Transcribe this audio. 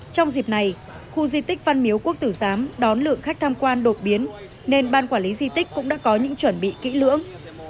trong dịp này khu di tích văn miếu quốc tử giám đón lượng khách tham quan đột biến nên ban quản lý di tích cũng đã có những chuẩn bị kỹ lưỡng